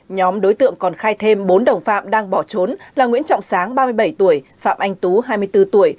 nhóm đối tượng còn khai thêm bốn đồng phạm đang bỏ trốn là nguyễn trọng sáng ba mươi bảy tuổi phạm anh tú hai mươi bốn tuổi